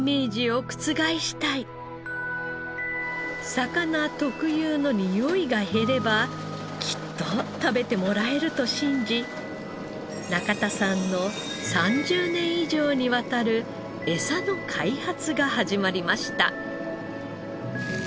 魚特有のにおいが減ればきっと食べてもらえると信じ中田さんの３０年以上にわたるエサの開発が始まりました。